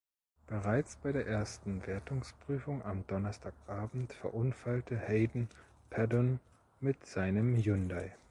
Bereits bei der ersten Wertungsprüfung am Donnerstagabend verunfallte Hayden Paddon mit seinem Hyundai.